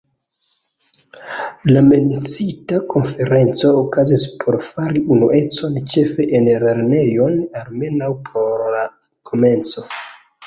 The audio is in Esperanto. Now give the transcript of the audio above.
La menciita konferenco okazis por fari unuecon ĉefe en lernejoj, almenaŭ por la komenco.